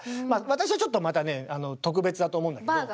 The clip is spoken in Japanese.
私はちょっとまたねあの特別だと思うんだけど。